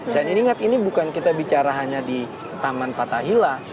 dan ingat ini bukan kita bicara hanya di taman patahila